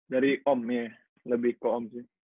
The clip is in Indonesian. dari om ya lebih ke om sih